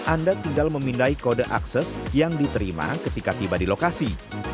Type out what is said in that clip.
anda tinggal memindai kode akses yang diterima ketika tiba di lokasi